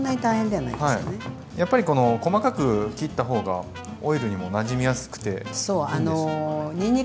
やっぱりこの細かく切った方がオイルにもなじみやすくていいんでしょうか？